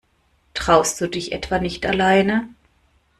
Traust du dich etwa nicht alleine?